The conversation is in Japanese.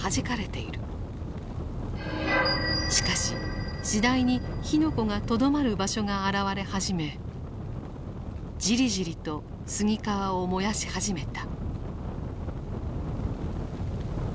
しかし次第に火の粉がとどまる場所が現れ始めじりじりと杉皮を燃やし始めた。